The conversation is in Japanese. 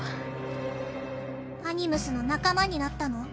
アニムスの仲間になったの？